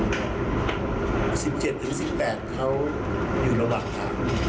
๑๗ถึง๑๘เขาอยู่ระหว่างค่ะ